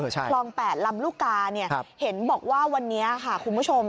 คลอง๘ลำลูกกาเห็นบอกว่าวันนี้ค่ะคุณผู้ชม